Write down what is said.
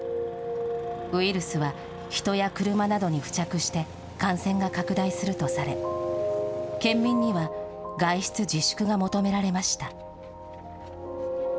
ウイルスは人や車などに付着して感染が拡大するとされ、県民には外出自粛が求められました。